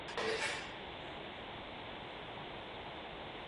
Zároveň se začaly v přepravě dřeva prosazovat automobily.